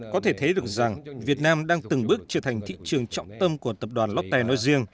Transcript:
có thể thấy được rằng việt nam đang từng bước trở thành thị trường trọng tâm của tập đoàn lotte nói riêng